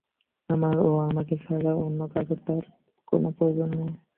আমার ও আমাকে ছাড়া অন্য কারো তার কোন প্রয়োজন নেই।